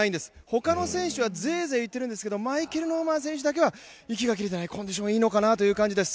ほかの選手はぜえぜえ、言っているんですけどマイケル・ノーマン選手だけは息が切れていない、コンディションがいいのかなという感じです。